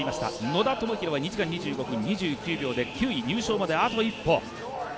野田明宏は２時間２５分２５秒で９位９位入賞まで、あと一歩。